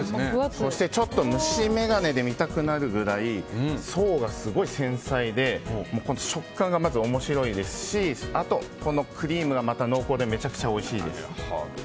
そしてちょっと虫眼鏡で見たくなるぐらい層がすごい繊細で食感がまず面白いですしあと、クリームが濃厚でめちゃくちゃおいしいです。